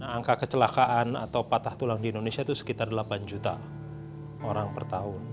angka kecelakaan atau patah tulang di indonesia itu sekitar delapan juta orang per tahun